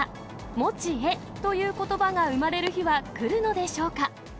もちエということばが生まれる日は来るのでしょうか。